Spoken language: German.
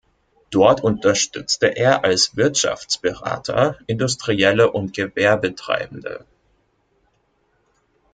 Dort unterstützte er als Wirtschaftsberater Industrielle und Gewerbetreibende.